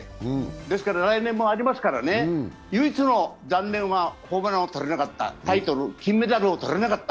ですから来年もありますから、唯一の残念はホームラン王を取れなかった、タイトル、金メダルを取れなかった。